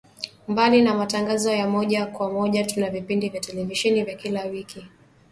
Mbali na matangazo ya moja kwa moja tuna vipindi vya televisheni vya kila wiki